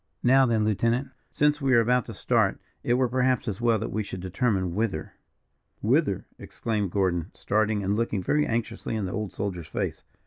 "Now then, lieutenant, since we are about to start, it were, perhaps, as well that we should determine whither." "Whither," exclaimed Gordon, starting, and looking very anxiously in the old soldier's face.